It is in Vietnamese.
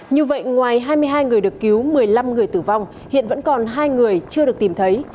như vậy ngoài hai mươi hai người được cứu một mươi năm người tử vong hiện vẫn còn hai người chưa được tìm thấy